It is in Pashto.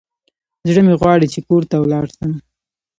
زړه مي غواړي چي کور ته ولاړ سم.